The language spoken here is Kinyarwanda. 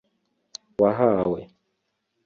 wahawe